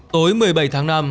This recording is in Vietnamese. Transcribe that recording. tối một mươi bảy tháng năm